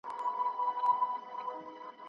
موږ باید د بل درد په خپل زړه کې حس کړو.